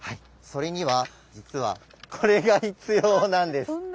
それには実はこれが必要なんです。